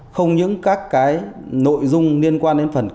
không những các cái nội dung liên quan đến phần kinh doanh